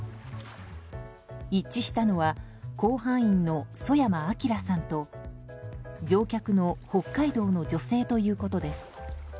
一致したのは甲板員の曽山聖さんと乗客の北海道の女性ということです。